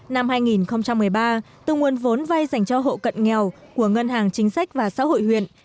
năm hai nghìn một mươi ba từ nguồn vốn vay dành cho hộ cận nghèo của ngân hàng chính sách và xã hội huyện